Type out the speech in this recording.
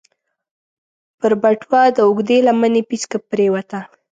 پر بټوه د اوږدې لمنې پيڅکه پرېوته.